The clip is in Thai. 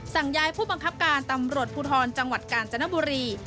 สั่งย้ายผู้บังคับการตำรวจภูทรจังหวัดกาญจนบุรี